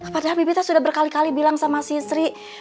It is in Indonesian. padahal habibita sudah berkali kali bilang sama si sri